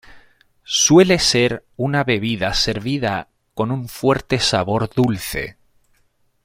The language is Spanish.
Suele ser una bebida servida con un fuerte sabor dulce.